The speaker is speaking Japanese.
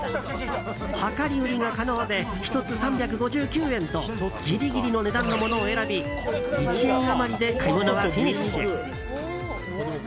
量り売りが可能で１つ３５９円とギリギリの値段のものを選び１円余りで買い物はフィニッシュ。